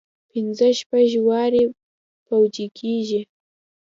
پنځه شپږ وارې پوجي کېږي.